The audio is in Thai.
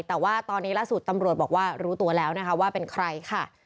แต่ว่าตอนนี้ล่าสุดตำรวจบอกว่ารู้ตัวแล้วนะคะว่าเป็นใครค่ะ